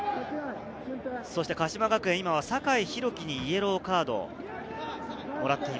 鹿島学園・坂井大樹にイエローカード。